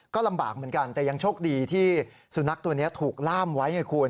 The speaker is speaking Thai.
ก็ลำบากเหมือนกันแต่ยังโชคดีที่สุนัขตัวนี้ถูกล่ามไว้ไงคุณ